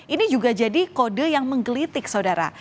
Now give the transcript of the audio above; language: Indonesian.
ini juga jadi kode yang menggelitik saudara